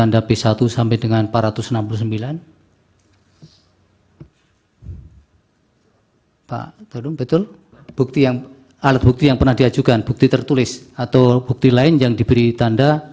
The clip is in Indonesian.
demikian majlis hakim yang mulia